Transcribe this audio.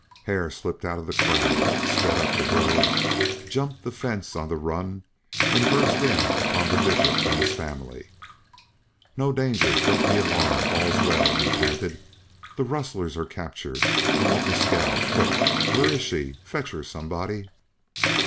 Hare slipped out of the crowd, sped up the road, jumped the fence on the run, and burst in upon the Bishop and his family. "No danger don't be alarmed all's well," he panted. "The rustlers are captured. I want Mescal. Quick! Where is she? Fetch her, somebody."